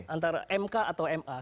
antara mk atau ma